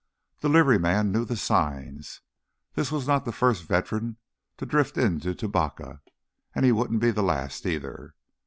The liveryman knew the signs. This was not the first veteran to drift into Tubacca; he wouldn't be the last either.